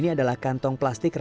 ada yang putih